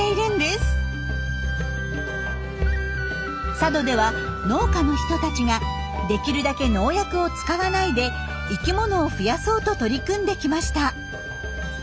佐渡では農家の人たちができるだけ農薬を使わないで生きものを増やそうと取り組んできました。